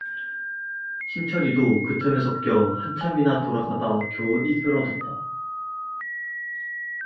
신철이도 그 틈에 섞여 한참이나 돌아가다가 겨우 일 표를 얻었다.